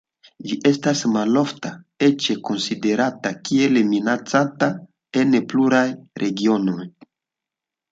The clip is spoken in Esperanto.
Ĝi estas malofta, eĉ konsiderata kiel minacata en pluraj regionoj.